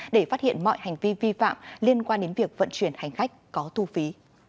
để phát hiện mọi hành vi vi phạm liên quan đến việc vận chuyển hành khách có thu phí